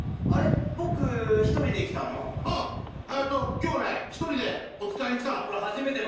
今日ね一人でおつかいに来たの。